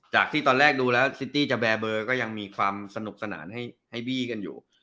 จากที่ตอนแรกดูแล้วซิตี้จะแบร์เบอร์ก็ยังมีความสนุกสนานให้บี้กันอยู่